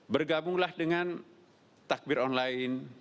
bergabunglah dengan takbir online